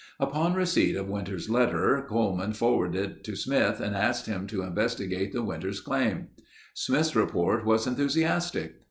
Upon receipt of Winters' letter, Coleman forwarded it to Smith and asked him to investigate the Winters claim. Smith's report was enthusiastic.